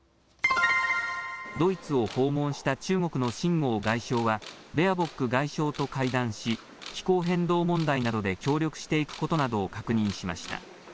ドイツを訪問した中国の秦剛外相はベアボック外相と会談し気候変動問題などで協力していくことなどを確認しました。